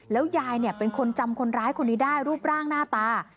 แล้วยายเป็นคนจำคนร้ายคนนี้ได้รูปร่างหน้าตา